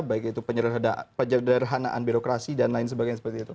baik itu penyederhanaan birokrasi dan lain sebagainya seperti itu